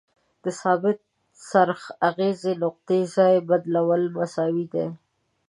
د ثابت څرخ اغیزې نقطې ځای بدلول مساوي دي.